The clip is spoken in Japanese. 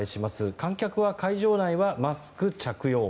観客は、会場内はマスク着用。